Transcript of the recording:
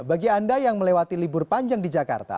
bagi anda yang melewati libur panjang di jakarta